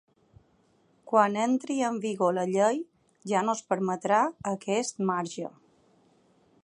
Quan entri en vigor la llei, ja no es permetrà aquest marge.